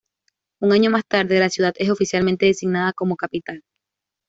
Un año más tarde, la ciudad es oficialmente designada como Capital.